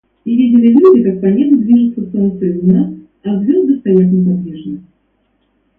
И видели люди, как по небу движутся солнце и луна, а звёзды стоят неподвижно.